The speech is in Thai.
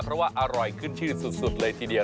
เพราะว่าอร่อยขึ้นชื่อสุดเลยทีเดียว